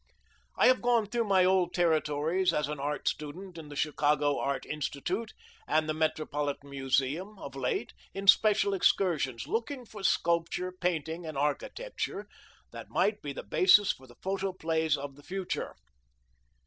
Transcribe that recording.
I have gone through my old territories as an art student, in the Chicago Art Institute and the Metropolitan Museum, of late, in special excursions, looking for sculpture, painting, and architecture that might be the basis for the photoplays of the future.